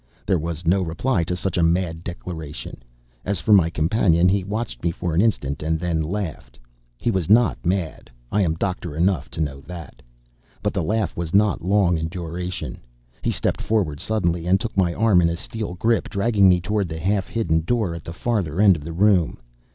There was no reply to such a mad declaration. As for my companion, he watched me for an instant and then laughed. He was not mad. I am doctor enough to know that. But the laugh was not long in duration. He stepped forward suddenly and took my arm in a steel grip, dragging me toward the half hidden door at the farther end of the room.